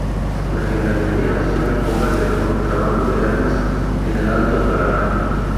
La Gendarmería Nacional combate el contrabando de armas en el Alto Paraná.